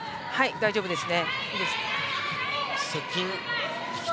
大丈夫です。